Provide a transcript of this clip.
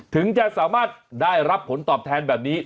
ถึงจะสามารถได้รับผลตอบแทนแบบนี้